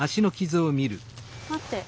待って。